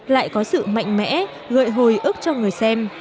lại có sự mạnh mẽ gợi hồi ức cho người xem